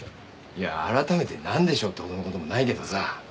いや改めて「なんでしょう？」ってほどの事もないけどさ。